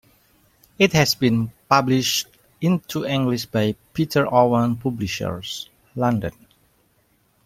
It has been published into English by Peter Owen Publishers, London.